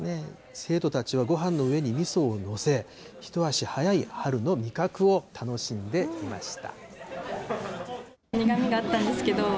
生徒たちはごはんの上にみそを載せ、一足早い春の味覚を楽しんでいました。